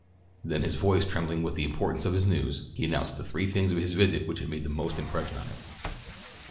Then his voice trembling with the importance of his news, he announced the three things of his visit which had made the most impression on him.